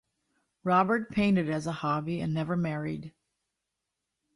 Robert painted as a hobby, and never married.